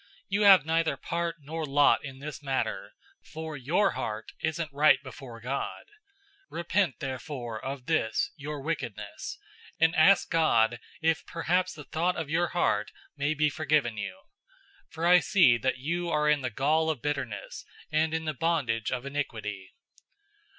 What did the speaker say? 008:021 You have neither part nor lot in this matter, for your heart isn't right before God. 008:022 Repent therefore of this, your wickedness, and ask God if perhaps the thought of your heart may be forgiven you. 008:023 For I see that you are in the gall of bitterness and in the bondage of iniquity."